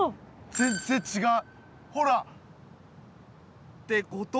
全然違う。